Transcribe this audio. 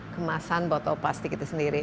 kemasan botol plastik itu sendiri